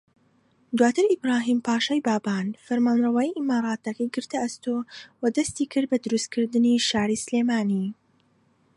دواتر ئیبراھیم پاشای بابان فەرمانڕەوایی ئیمارەتەکەی گرتە ئەستۆ و دەستیکرد بە دروستکردنی شاری سلێمانی